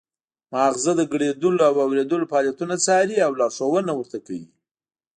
مغزه د ګړیدلو او اوریدلو فعالیتونه څاري او لارښوونه ورته کوي